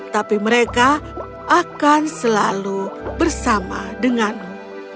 tapi mereka akan selalu bersama denganmu